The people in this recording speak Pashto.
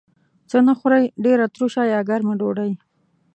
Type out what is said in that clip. څه نه خورئ؟ ډیره تروشه یا ګرمه ډوډۍ